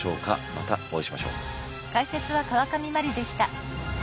またお会いしましょう。